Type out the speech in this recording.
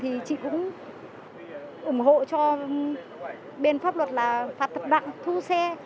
thì chị cũng ủng hộ cho bên pháp luật là phạt thập đoạn thu xe